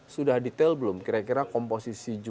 sudah detail belum kira kira komposisi